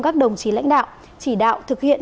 các đồng chí lãnh đạo chỉ đạo thực hiện